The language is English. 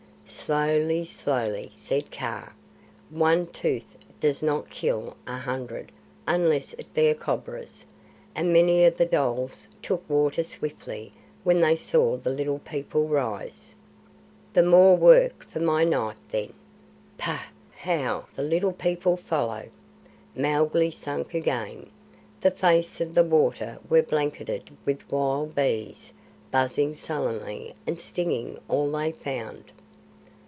"Slowly, slowly," said Kaa. "One tooth does not kill a hundred unless it be a cobra's, and many of the dholes took water swiftly when they saw the Little People rise." "The more work for my knife, then. Phai! How the Little People follow!" Mowgli sank again. The face of the water was blanketed with wild bees, buzzing sullenly and stinging all they found.